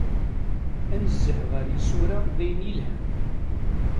Anezzeh ɣer isura d ayen yelhan.